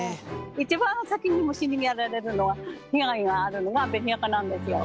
一番先に虫にやられるのは被害があるのが紅赤なんですよ。